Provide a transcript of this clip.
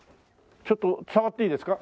ちょっと触っていいですか？